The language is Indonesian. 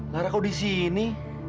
lara kau di sini